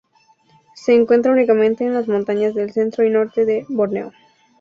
Se encuentra únicamente en las montañas del centro y norte de Borneo.